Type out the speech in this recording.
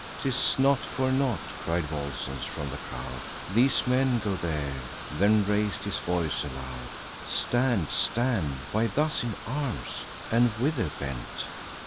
"'Tis not for naught," cried Volscens from the crowd, "These men go there;" then rais'd his voice aloud: "Stand! stand! why thus in arms? And whither bent?